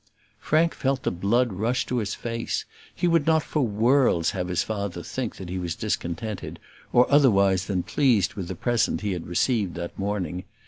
Frank felt the blood rush to his face. He would not for worlds have his father think that he was discontented, or otherwise than pleased with the present he had received that morning.